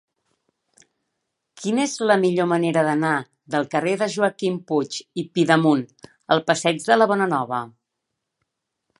Quina és la millor manera d'anar del carrer de Joaquim Puig i Pidemunt al passeig de la Bonanova?